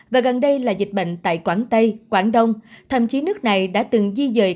và gần đây là dịch bệnh tại quảng tây quảng đông thậm chí nước này đã từng di dời